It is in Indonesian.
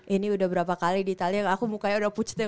ini udah berapa kali di italia aku mukanya udah putch deh